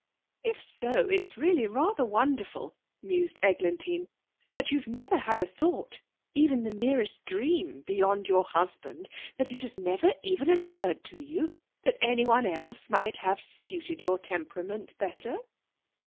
'If so, it's really rather wonderful,' mused Eglantine, 'that you've never had a thought, even the merest dream, beyond your husband; that it has never even occurred to you that anyone else might have suited your temperament better.'